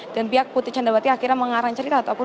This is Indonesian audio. dan pihak putri candrawati akhirnya mengarang cerita ataupun